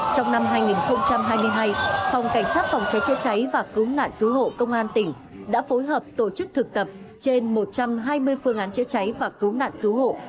trong năm hai nghìn hai mươi hai phòng cảnh sát phòng cháy chữa cháy và cứu nạn cứu hộ công an tỉnh đã phối hợp tổ chức thực tập trên một trăm hai mươi phương án chữa cháy và cứu nạn cứu hộ